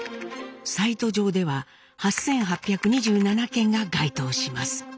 サイト上では８，８２７件が該当します。